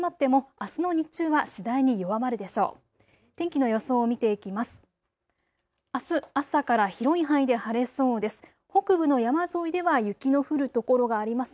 あす朝から広い範囲で晴れそうです。